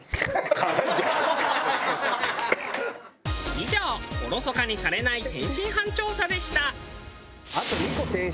以上おろそかにされない天津飯調査でした。